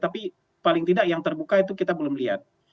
tapi paling tidak yang terbuka itu kita belum lihat